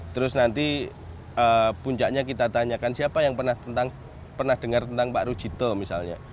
terus nanti puncaknya kita tanyakan siapa yang pernah dengar tentang pak rujito misalnya